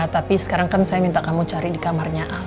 tapi sekarang kan saya minta kamu cari di kamarnya